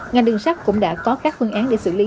ngành đường sắt cũng đã có các phương án để xử lý